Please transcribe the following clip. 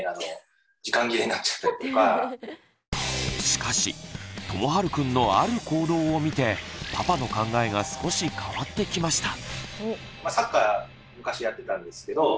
しかしともはるくんのある行動を見てパパの考えが少し変わってきました。